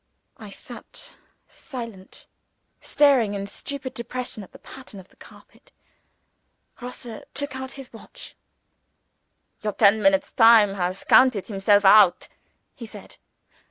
I sat silent; staring in stupid depression at the pattern of the carpet. Grosse took out his watch. "Your ten minutes time has counted himself out," he said.